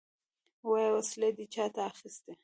ووايه! وسلې دې چاته اخيستې؟